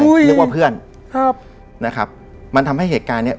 นึกว่าเพื่อนครับนะครับมันทำให้เหตุการณ์เนี้ย